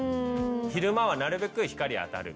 昼間はなるべく光あたる。